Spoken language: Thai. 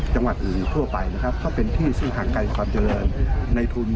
จังหวัดอื่นทั่วไปนะครับก็เป็นที่ซึ่งห่างไกลความเจริญในทุน